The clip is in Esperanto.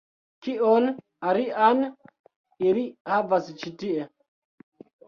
Kion alian ili havas ĉi tie